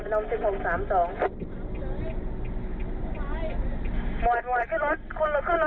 หมวนเข้ารถก่อน